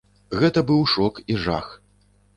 Гэта быў шок і жах.